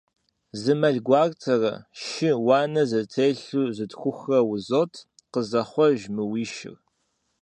Зы мэл гуартэрэ шы уанэ зэтелъу зытхухрэ узот, къызэхъуэж мы уи шыр!